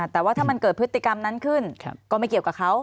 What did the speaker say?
แต่ว่าถ้ามันเกิดพฤติกรรมนั้นขึ้นก็ไม่เกี่ยวกับเขา